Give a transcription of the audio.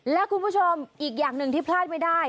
และคุณผู้ชมอีกอย่างหนึ่งที่พลาดไม่ได้